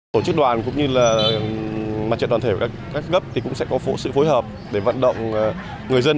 tổ chức đoàn cũng như là mặt trận toàn thể của các cấp thì cũng sẽ có sự phối hợp để vận động người dân